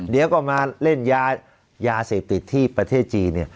เดี๋ยวก็มาเล่นยายาเสพติดที่ประเทศจีน